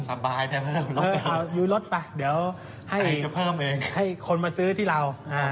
เอาอยู่รถไปเดี๋ยวให้คนมาซื้อที่เรา